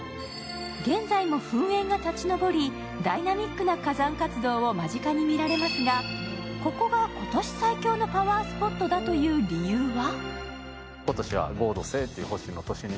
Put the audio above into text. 現在も噴煙が立ち上り、ダイナミックな火山活動を間近に見られますが、ここが今年最強のパワースポットだという理由は？